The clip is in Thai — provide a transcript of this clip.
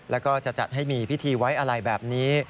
แล้วก็จะจัดให้มีพิธีไว้อะไรแบบนี้